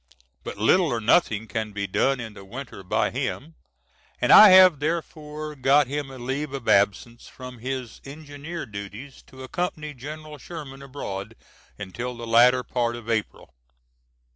But little or nothing can be done in the winter by him, and I have therefore got him a leave of absence from his engineer duties to accompany General Sherman abroad, until the latter part of April.